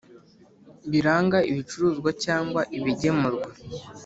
Biranga ibicuruzwa cyangwa ibigemurwa